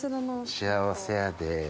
幸せやで。